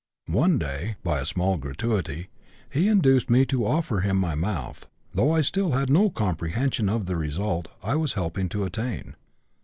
One day, by a small gratuity, he induced me to offer him my mouth, though I still had no comprehension of the result I was helping to attain.